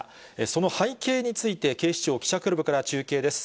その背景について、警視庁記者クラブから中継です。